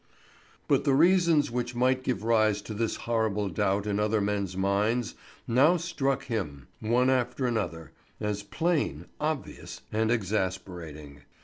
But the reasons which might give rise to this horrible doubt in other men's minds now struck him, one after another, as plain, obvious, and exasperating.